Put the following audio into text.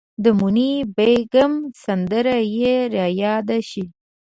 د موني بیګم سندره یې ریاده شي.